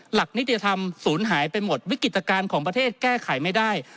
หลักนิติธรรมศูนย์หายไปหมดวิกฤตการณ์ของประเทศแก้ไขไม่ได้